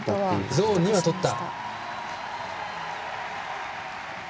ゾーン２はとった。